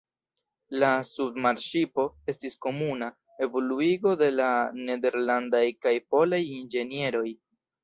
La submarŝipo estis komuna evoluigo de la nederlandaj kaj polaj inĝenieroj.